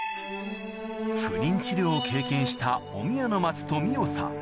不妊治療を経験したお宮の松とみおさん